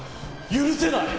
許せない！